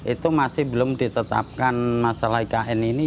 itu masih belum ditetapkan masalah ikn ini